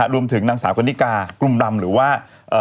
รวมถึงนางสาวกนิกากลุ่มรำหรือว่า